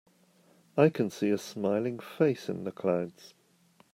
I can see a smiling face in the clouds.